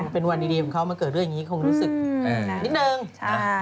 เป็นวันดีของเขามาเกิดเรื่องอย่างนี้คงรู้สึกนิดนึง